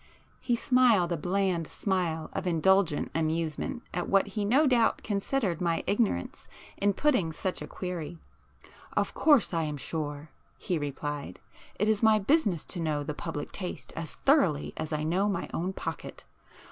He smiled a bland smile of indulgent amusement at what he no doubt considered my ignorance in putting such a query. [p 6]"Of course I am sure,"—he replied—"It is my business to know the public taste as thoroughly as I know my own pocket.